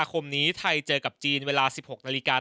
กำลังใจมาเต็มครับ